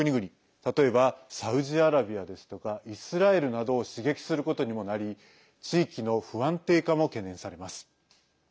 例えば、サウジアラビアですとかイスラエルなどを刺激することにもなり地域の不安定化も懸念されます。